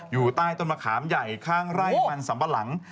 อยู่ใต้ต้นมะขามใหญ่ข้างไร่มันสัมปะหลัง